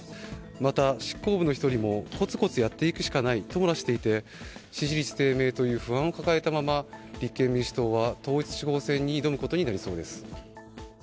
また執行部の１人もコツコツやっていくしかないと漏らしていて支持率低迷という不安を抱えたまま立憲民主党は統一地方選に挑むことになりそうです。